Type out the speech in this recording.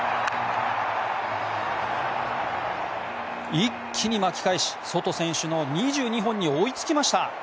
一気に巻き返し、ソト選手の２２本に追いつきました。